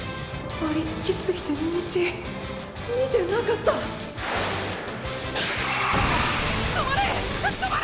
張り付きすぎて道見てなかった止まれ！